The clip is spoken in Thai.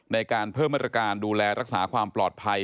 ในการเพิ่มมาตรการดูแลรักษาความปลอดภัย